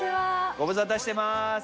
ご無沙汰してます。